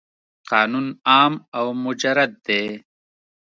قانون عام او مجرد دی.